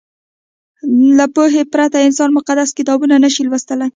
له پوهې پرته انسان مقدس کتابونه نه شي لوستلی.